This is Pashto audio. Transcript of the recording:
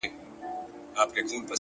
• ورته راغله د برکلي د ښکاریانو ,